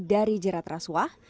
dari jerat rasuah